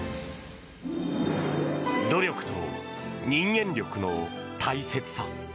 努力と人間力の大切さ。